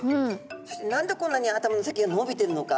そして何でこんなに頭の先が伸びてるのか。